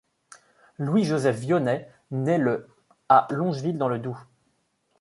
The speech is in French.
Louis-Joseph Vionnet naît le à Longevilles dans le Doubs.